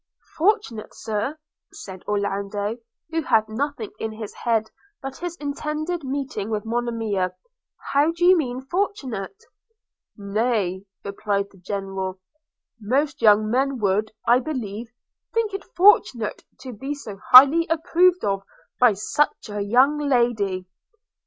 'Fortunate, Sir!' said Orlando, who had nothing in his head but his intended meeting with Monimia – 'How do you mean fortunate?' 'Nay,' replied the General, 'most young men would, I believe, think it fortunate to be so highly approved of by such a young lady!'